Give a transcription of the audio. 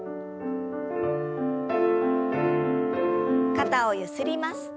肩をゆすります。